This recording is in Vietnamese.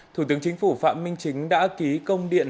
thủ tướng chính phủ phạm minh chính đã ký công điện